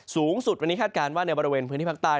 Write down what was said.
สูงสุดวันนี้คาดการณ์ว่าในบริเวณพื้นที่ภาคใต้